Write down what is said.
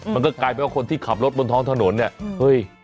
มันก็กลายเป็นว่าคนที่ขับรถบนท้องถนนเนี่ยเฮ้ย